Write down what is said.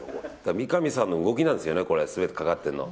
三上さんの動きなんですよね全てかかってるのは。